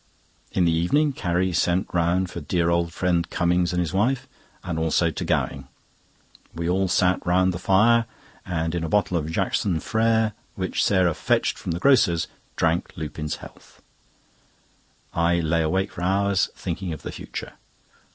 In the evening Carrie sent round for dear old friend Cummings and his wife, and also to Gowing. We all sat round the fire, and in a bottle of "Jackson Frères," which Sarah fetched from the grocer's, drank Lupin's health. I lay awake for hours, thinking of the future.